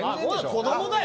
子供だよ。